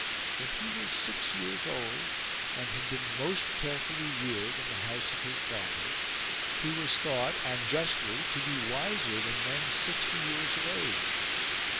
When he was six years old and had been most carefully reared in the house of his father, he was thought (and justly) to be wiser than men sixty years of age.